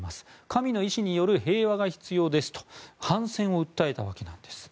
神の意志による平和が必要ですと反戦を訴えたわけです。